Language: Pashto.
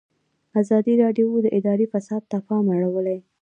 ازادي راډیو د اداري فساد ته پام اړولی.